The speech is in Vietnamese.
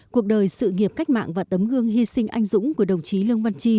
cuộc đời sự nghiệp cách mạng và tấm gương hy sinh anh dũng của đồng chí lương văn chi